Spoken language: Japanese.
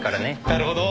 なるほど。